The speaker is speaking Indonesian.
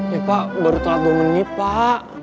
ya pak baru telat dong ini pak